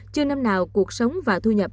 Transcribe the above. chưa năm nào cuộc sống và thu nhập